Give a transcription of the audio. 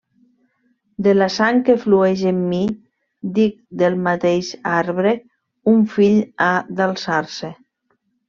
De la sang que flueix en mi, dic del mateix arbre, un fill ha d'alçar-se.